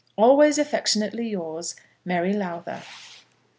Always affectionately yours, MARY LOWTHER.